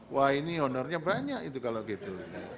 wah ini honornya banyak itu kalau gitu